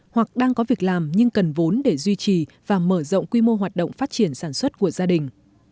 hoặc đang có việc làm nhưng cần vốn để duy trì và mở rộng quy mô hoạt động phát triển